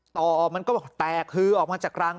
ต่อมันก็แตกฮือออกมาจากรัง